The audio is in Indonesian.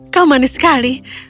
kau manis sekali